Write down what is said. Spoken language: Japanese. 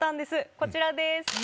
こちらです。